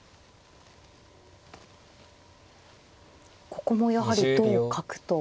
ここもやはり同角と。